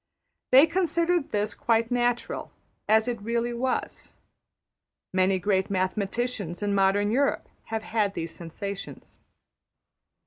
They considered this quite natural, as it really was. Many great mathematicians in modern Europe have had these sensations.